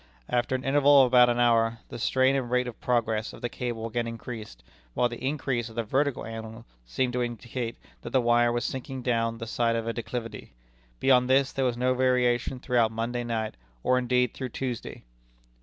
After an interval of about an hour, the strain and rate of progress of the cable again increased, while the increase of the vertical angle seemed to indicate that the wire was sinking down the side of a declivity. Beyond this, there was no variation throughout Monday night, or, indeed, through Tuesday."